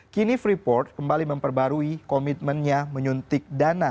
kini freeport kembali memperbarui komitmennya menyuntik dana